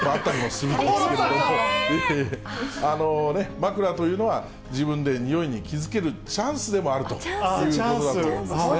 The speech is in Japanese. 枕というのは、自分でにおいに気付けるチャンスでもあるということだと思うんでチャンス。